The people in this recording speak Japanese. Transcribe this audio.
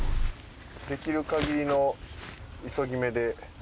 できるかぎりの急ぎめで。